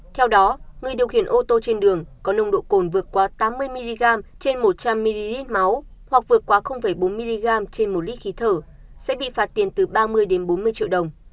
theo đó người điều khiển ô tô trên đường có nồng độ cồn vượt quá tám mươi mg trên một trăm linh ml máu hoặc vượt quá bốn mg trên một lít khí thở sẽ bị phạt tiền từ ba mươi đến bốn mươi triệu đồng